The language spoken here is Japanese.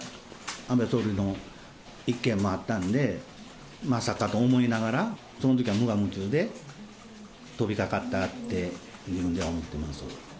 安倍総理の一件もあったんで、まさかと思いながら、そのときは無我夢中で飛びかかったっていうように思ってます。